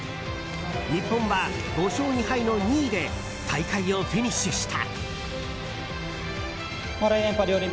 日本は５勝２敗の２位で大会をフィニッシュした。